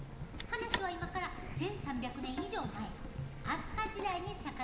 話は今から１，３００年以上前飛鳥時代に遡る。